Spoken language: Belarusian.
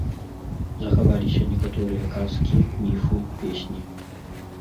Захаваліся некаторыя казкі, міфы, песні.